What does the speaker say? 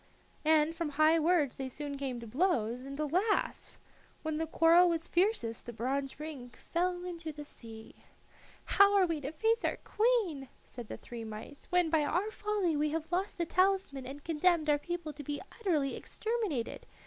And from high words they soon came to blows, and, alas! when the quarrel was fiercest the bronze ring fell into the sea. "How are we to face our queen," said the three mice "when by our folly we have lost the talisman and condemned our people to be utterly exterminated?